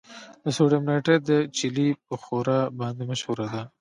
د سوډیم نایټریټ د چیلي په ښوره باندې مشهوره ده.